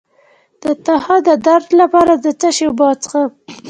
د تخه د درد لپاره د څه شي اوبه وڅښم؟